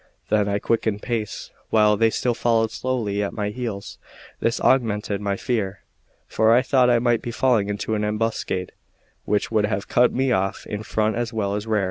Then I quickened pace, while they still followed slowly at my heels; this augmented my fear, for I thought I might be falling into an ambuscade, which would have cut me off in front as well as rear.